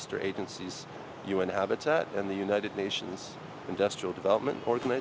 về những dự án mới cho những khu vực sáng tạo trong hà nội